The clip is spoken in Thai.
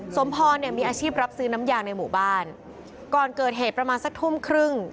สมพรเนี่ยมีอาชีพรับซื้อน้ำยางในหมู่บ้านก่อนเกิดเหตุประมาณสักทุ่มครึ่ง